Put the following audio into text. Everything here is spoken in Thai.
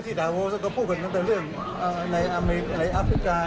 ที่ดาวอัลซักภูมิกันเป็นเรื่องในอาเมริกาในอาเมริกา